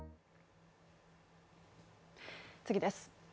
次です。